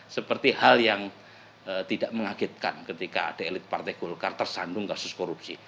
seperti hal yang tidak mengagetkan ketika ada elit partai golkar tersandung kasus korupsi